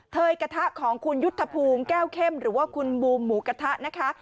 เทยกระทะของคุณยุทธภูมิแก้วเข้มหรือว่าคุณบูมหมูกระทะนะคะ